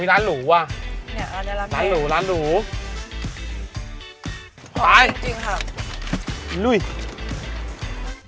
ทีมคุณพระกุ้งวางเงินจำนวน๑๐๐๐บาท